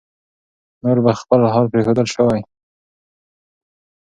نور پر خپل حال پرېښودل شوی